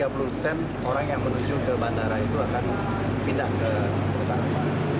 tiga puluh persen orang yang menuju ke bandara itu akan pindah ke utara